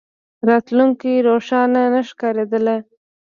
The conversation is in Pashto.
راتلونکې روښانه نه ښکارېدله.